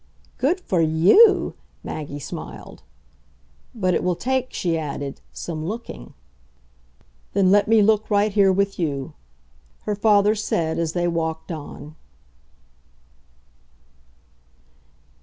"Good for YOU!" Maggie smiled. "But it will take," she added, "some looking." "Then let me look right here with you," her father said as they walked on.